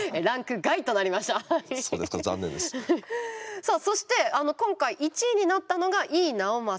さあそして今回１位になったのが井伊直政。